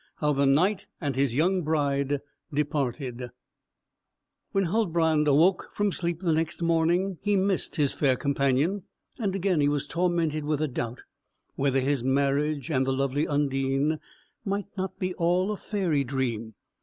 HOW THE KNIGHT AND HIS YOUNG BRIDE DEPARTED When Huldbrand awoke from sleep the next morning, he missed his fair companion; and again he was tormented with a doubt, whether his marriage, and the lovely Undine, might not be all a fairy dream.